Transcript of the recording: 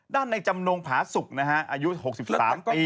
ในจำนงผาสุกนะฮะอายุ๖๓ปี